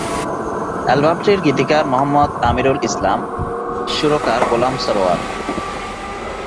অ্যালবামটির গীতিকার মোহাম্মদ আমিরুল ইসলাম, সুরকার গোলাম সারোয়ার।